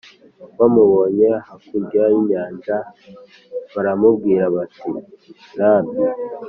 Bamubonye hakurya y inyanja baramubwira bati Rabi